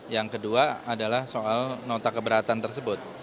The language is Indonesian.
yang kedua adalah soal nota keberatan tersebut